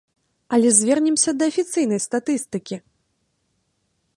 Але звернемся да афіцыйнай статыстыкі.